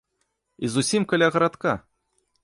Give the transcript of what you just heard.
І зусім каля гарадка!